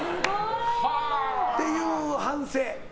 っていう反省。